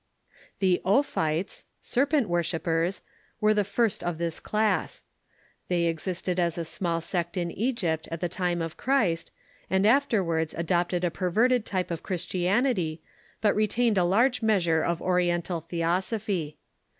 The Ophites (serpent worshippers) were the first of this class. They existed as a small sect in Egypt at the time of Christ, and afterwards adopted a perverted type of Chris Paqan^G^iIo^stfcs ^ianity, but retained a large measure of Oriental theosophy.